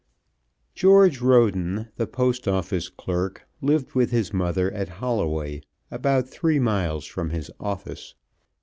George Roden, the Post Office clerk, lived with his mother at Holloway, about three miles from his office.